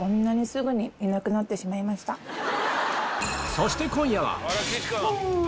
そして今夜は！